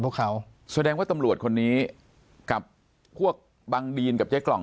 พวกเขาแสดงว่าตำรวจคนนี้กับพวกบังดีนกับเจ๊กล่อง